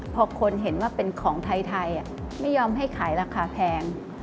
พอคนเห็นว่าเป็นของไทยไม่ยอมให้ขายราคาแพง